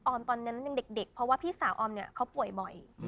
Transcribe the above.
ตอนนั้นยังเด็กเพราะว่าพี่สาวออมเนี่ยเขาป่วยบ่อย